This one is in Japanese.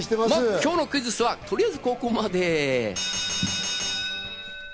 今日のクイズッスはとりあえずここまで。